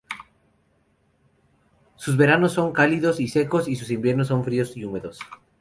Sus veranos son cálidos y secos y sus inviernos son fríos y húmedos.